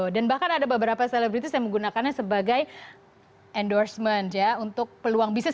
dan bahkan ada beberapa selebritis yang menggunakannya sebagai endorsement ya untuk peluang bisnis